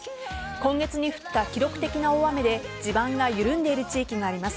今月に降った記録的な大雨で地盤が緩んでいる地域があります。